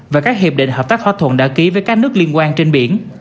và các hiệp định hợp tác thỏa thuận đã ký với các nước liên quan trên biển